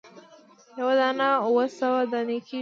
یوه دانه اووه سوه دانې کیږي.